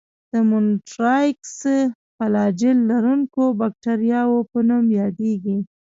د مونټرایکس فلاجیل لرونکو باکتریاوو په نوم یادیږي.